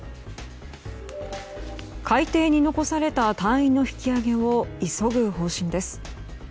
海底に残された隊員の引き揚げを急ぐ方針です。